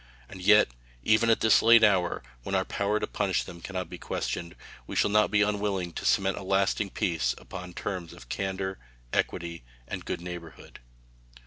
And yet, even at this late hour, when our power to punish them can not be questioned, we shall not be unwilling to cement a lasting peace upon terms of candor, equity, and good neighborhood.